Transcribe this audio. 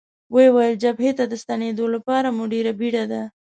ویې ویل: جبهې ته د ستنېدو لپاره مو ډېره بېړه ده.